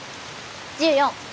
１４。